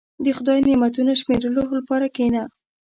• د خدای نعمتونه شمیرلو لپاره کښېنه.